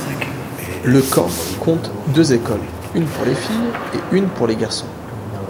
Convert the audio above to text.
Le camp compte deux écoles, une pour les filles et une pour les garçons.